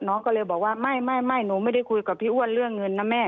น้องก็เลยบอกว่าไม่หนูไม่ได้คุยกับพี่อ้วนเรื่องเงินนะแม่